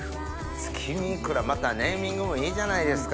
つきみいくらまたネーミングもいいじゃないですか。